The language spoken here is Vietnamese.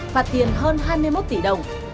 phạt tiền hơn hai mươi một tỷ đồng